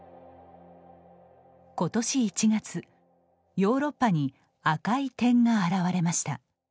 ことし１月、ヨーロッパに赤い点が現れました。